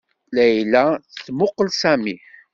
Layla temmuqqel Sami.